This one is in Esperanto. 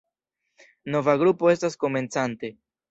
Nova grupo estas komencante.